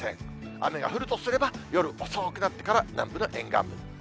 雨が降るとすれば夜遅くなってから、南部の沿岸部。